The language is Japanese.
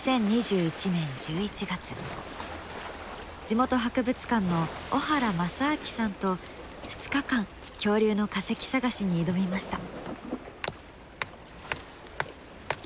地元博物館の小原正顕さんと２日間恐竜の化石探しに挑みました。